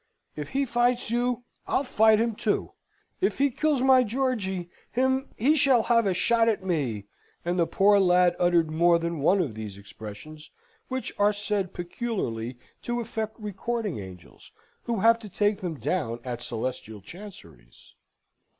"If he fights you, I'll fight him, too. If he kills my Georgy, him, he shall have a shot at me!" and the poor lad uttered more than one of those expressions, which are said peculiarly to affect recording angels, who have to take them down at celestial chanceries.